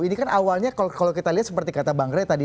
ini kan awalnya kalau kita lihat seperti kata bang ray tadi